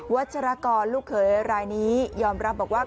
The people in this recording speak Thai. ัชรกรลูกเขยรายนี้ยอมรับบอกว่า